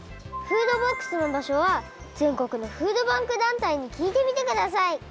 フードボックスのばしょは全国のフードバンク団体にきいてみてください。